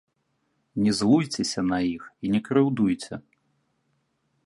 Не злуйцеся нас іх і не крыўдуйце.